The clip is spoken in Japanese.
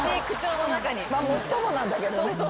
もっともなんだけどね。